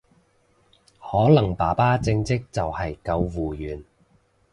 可能爸爸正職就係救護員